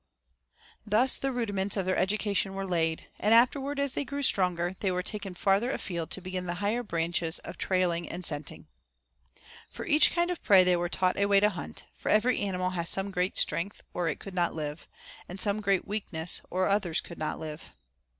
Thus the rudiments of their education were laid, and afterward as they grew stronger they were taken farther afield to begin the higher branches of trailing and scenting. For each kind of prey they were taught a way to hunt, for every animal has some great strength or it could not live, and some great weakness or the others could not live.